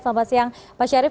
selamat siang pak syarif